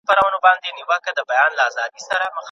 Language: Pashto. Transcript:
ایا استاد کولای سي له ټاکل سوي حد څخه ډېر شاګردان ولري؟